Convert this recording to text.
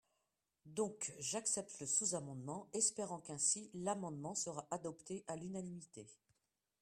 Donc, j’accepte le sous-amendement, espérant qu’ainsi, l’amendement sera adopté à l’unanimité.